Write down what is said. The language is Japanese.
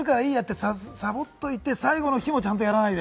さぼっておいて最後の日もちゃんとやらないで。